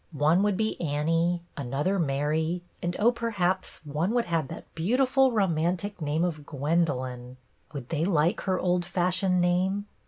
One would be Annie, another Mary, and oh, perhaps one would have that beauti fully romantic name of Gwendolen. Would they like her old fashioned name.'